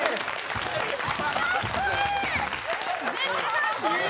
「」かっこいい！